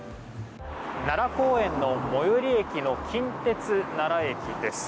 奈良公園の最寄り駅の近鉄奈良駅です。